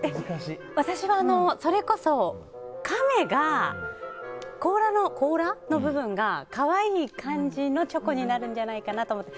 私はそれこそ、カメの甲羅の部分が可愛い感じのチョコになるんじゃないかなと。